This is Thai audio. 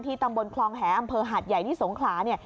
ที่ตำบลคลองแหอำเภอหัดใหญ่ที่สงคลา